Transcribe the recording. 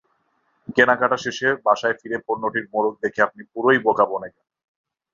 কেনাকাটা শেষে বাসায় ফিরে পণ্যটির মোড়ক দেখে আপনি পুরোই বোকা বনে গেলেন।